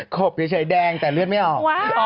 ขบเฉยแดงแต่เลือดไม่ออก